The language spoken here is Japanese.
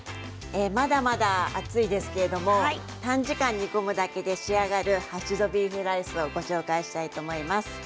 まだまだ暑いですけれど短時間で煮込むだけで仕上がるハッシュドビーフライスをご紹介したいと思います。